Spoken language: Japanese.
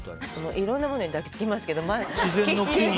いろんなものに抱き付きますけど。